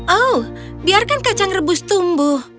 oh biarkan kacang rebus tumbuh